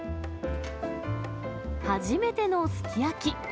初めてのすき焼き。